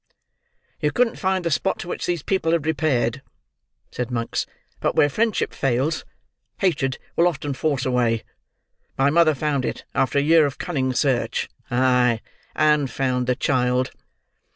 "You couldn't find the spot to which these people had repaired," said Monks, "but where friendship fails, hatred will often force a way. My mother found it, after a year of cunning search—ay, and found the child."